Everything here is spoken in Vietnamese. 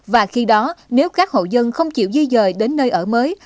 và khi đó nếu các hộ dân không chịu di dời đến nơi ở mới